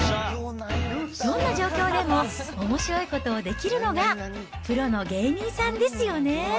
どんな状況でもおもしろいことをできるのが、プロの芸人さんですよね。